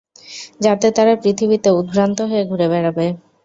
যাতে তারা পৃথিবীতে উদভ্রান্ত হয়ে ঘুরে বেড়াবে।